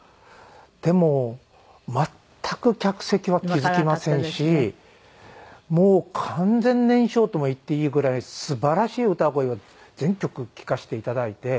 でも全く客席は気付きませんしもう完全燃焼とも言っていいぐらいすばらしい歌声を全曲聴かせて頂いて。